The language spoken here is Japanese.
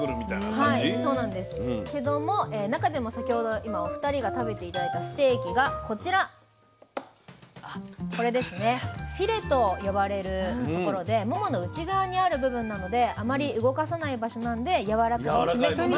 はいそうなんですけども中でも先ほど今お二人が食べて頂いたステーキがこちらフィレと呼ばれるところでモモの内側にある部分なのであまり動かさない場所なんでやわらくきめ細かい肉質なんですよ。